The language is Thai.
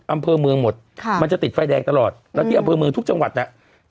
อำเภอเมืองหมดค่ะมันจะติดไฟแดงตลอดแล้วที่อำเภอเมืองทุกจังหวัดน่ะ